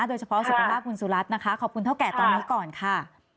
โดยเฉพาะสักนาที่คุณสุรัสตร์นะคะขอบคุณตอนนี้ก่อนค่า